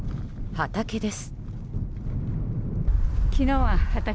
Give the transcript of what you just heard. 畑です。